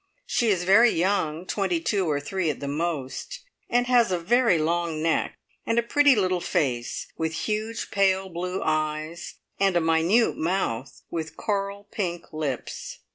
She is very young twenty two or three at the most and has a very long neck and a pretty little face, with huge pale blue eyes, and a minute mouth with coral pink lips.